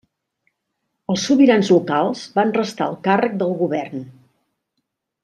Els sobirans locals van restar al càrrec del govern.